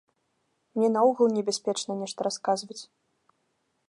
Мне наогул небяспечна нешта расказваць.